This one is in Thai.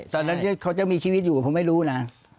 ตอนนั้นเขายังมีชีวิตอยู่ผมไม่รู้นะ